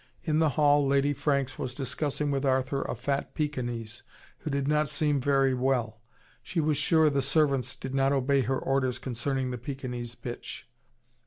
In the hall Lady Franks was discussing with Arthur a fat Pekinese who did not seem very well. She was sure the servants did not obey her orders concerning the Pekinese bitch.